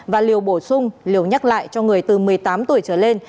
và liều bổ sung liều nhắc lại cho người từ một mươi tám tuổi trở lên